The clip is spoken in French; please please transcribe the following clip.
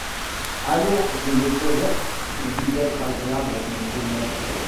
Allons je le verrai, pour vous être agréable, monseigneur.